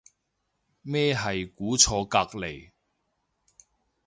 咩係估錯隔離